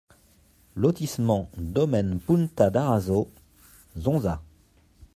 Lotissement Domaine Punta d'Araso, Zonza